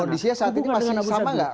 kondisinya saat ini masih sama nggak